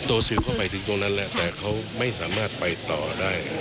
สื่อเข้าไปถึงตรงนั้นแล้วแต่เขาไม่สามารถไปต่อได้